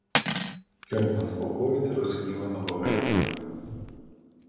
Щоб заспокоїти розгніваного гетьмана.